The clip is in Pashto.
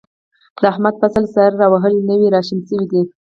د احمد فصل سر را وهلی، نوی را شین شوی دی.